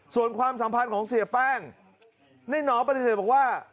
ส่วนความสัมพันธ์ของเสียแป้งในหนอปฏิเสธบอกว่า